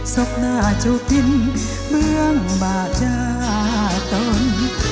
สบหน้าเจ้าตินเมืองบาตราตน